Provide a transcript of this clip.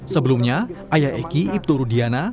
sebelumnya ayah eki ibturudiana